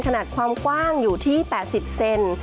ขนาดความกว้างอยู่ที่๘๐เซน